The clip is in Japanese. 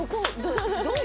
どう？